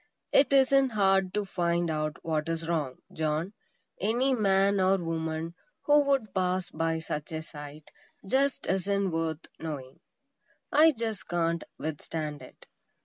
It isn't hard to find out what is wrong, John; any man or woman who would pass by such a sight, just isn't worth knowing. I just can't withstand it!